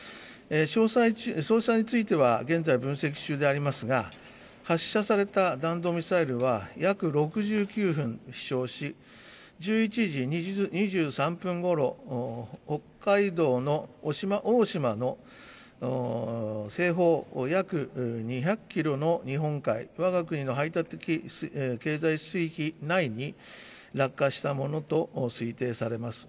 詳細については現在、分析中でありますが、発射された弾道ミサイルは、約６９分飛しょうし、１１時２３分ごろ、北海道の渡島大島の西方約２００キロの日本海、わが国の排他的経済水域内に落下したものと推定されます。